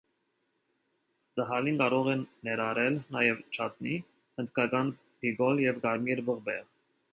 Տհալին կարող է ներառել նաև չատնի, հնդկական պիկուլ և կարմիր պղպեղ։